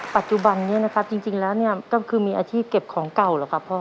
ปัจจุบันนี้นะครับจริงแล้วเนี่ยก็คือมีอาชีพเก็บของเก่าเหรอครับพ่อ